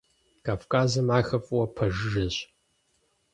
Кавказым ахэр фӏыуэ пэжыжьэщ.